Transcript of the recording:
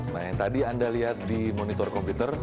nah yang tadi anda lihat di monitor komputer